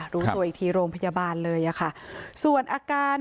รู้ตัวอีกทีโรงพยาบาลเลยอะค่ะส่วนอาการ